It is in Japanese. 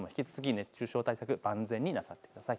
熱中症対策は万全になさってください。